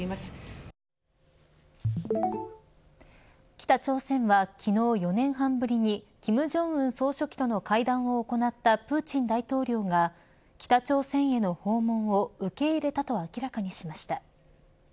北朝鮮は昨日４年半ぶりに金正恩総書記との会談を行ったプーチン大統領が北朝鮮への訪問を受け入れたと明らかにしました。